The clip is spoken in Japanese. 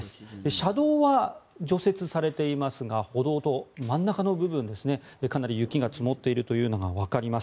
車道は除雪されていますが歩道と真ん中の部分かなり雪が積もっているというのがわかります。